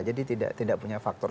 jadi tidak punya faktor